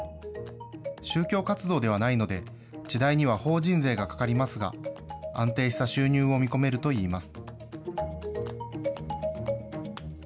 宗教活動ではないので、地代には法人税がかかりますが、安定した収入を見込めるといいます。